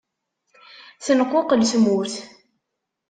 Tenquqel tmurt.